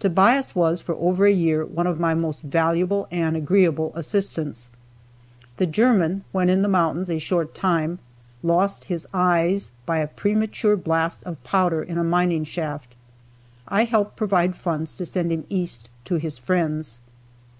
Tobias was for over a year one of my most valuable and agreeable assistants. The German, when in the mountains a short time, lost his eyes by a premature blast of powder in a mining shaft. I helped provide funds to send him East to his friends.